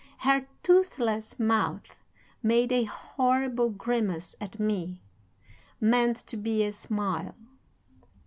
Her toothless mouth made a horrible grimace at me, meant to be a smile.